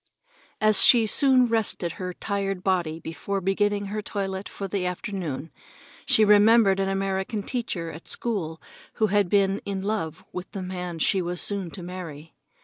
As she rested her tired body before beginning her toilet for the afternoon, she remembered an American teacher at school who had been in love with the man she was soon to marry.